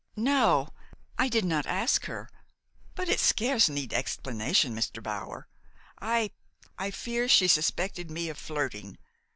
"No. I did not ask her. But it scarce needed explanation, Mr. Bower. I I fear she suspected me of flirting.